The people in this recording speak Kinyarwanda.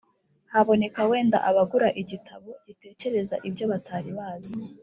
haboneka wenda abagura igitabo gitekereza ibyo batari bazi,